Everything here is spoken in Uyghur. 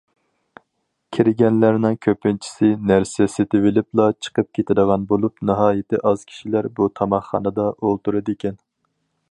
كىرگەنلەرنىڭ كۆپىنچىسى نەرسە سېتىۋېلىپلا چىقىپ كېتىدىغان بولۇپ، ناھايىتى ئاز كىشىلەر بۇ تاماقخانىدا ئولتۇرىدىكەن.